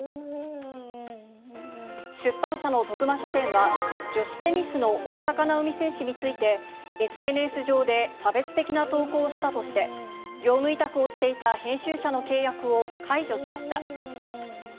出版社の徳間書店は、女子テニスの大坂なおみ選手について、ＳＮＳ上で差別的な投稿をしたとして、業務委託をしていた編集者の契約を解除しました。